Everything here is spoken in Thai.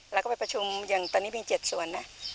แล้วก็ไปประชุมอย่างตอนนี้มี๗ส่วนนะ